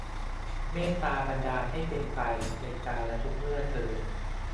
เมตตาบันดาลให้เป็นไป ในกาลทุกเมื่อเทอญ